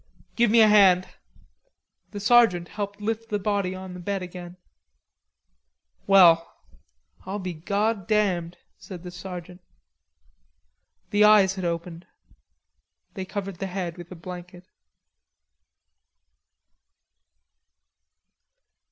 "Give me a hand." The sergeant helped lift the body on the bed again. "Well, I'll be goddamned," said the sergeant. The eyes had opened. They covered the head with a blanket.